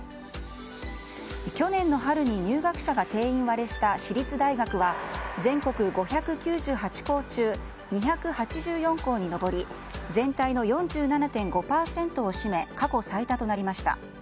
去年の春に入学者が定員割れした私立大学は全国５９８校中２８４校に上り全体の４７．５％を占め過去最多となりました。